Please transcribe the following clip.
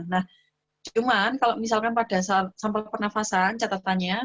nah cuman kalo misalkan pada sampel pernafasan catatannya